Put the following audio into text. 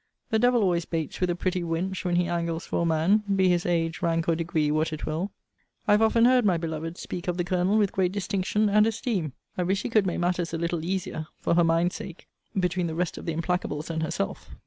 The devil always baits with a pretty wench, when he angles for a man, be his age, rank, or degree, what it will. I have often heard my beloved speak of the Colonel with great distinction and esteem. I wish he could make matters a little easier, for her mind's sake, between the rest of the implacables and herself.